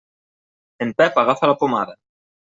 En Pep agafa la pomada.